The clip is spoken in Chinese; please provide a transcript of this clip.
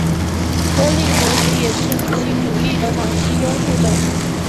多莉同时也是女性主义的长期拥护者。